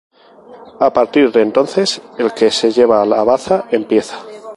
A partir de entonces el que se lleva la baza empieza.